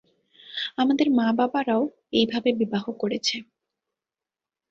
আমাদের মা-বাবারও এইভাবে বিবাহ করেছে।